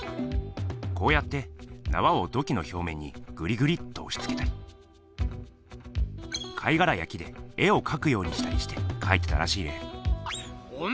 こうやって縄を土器の表面にグリグリっとおしつけたり貝がらや木で絵をかくようにしたりしてかいてらしいね。